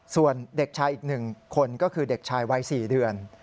ส่วนเด็กชายอีก๑คนก็คือเด็กชายวัย๔เดือน